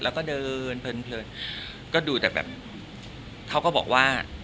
แล้วก็เดินเพลินก็ดูแต่แบบเขาก็บอกว่า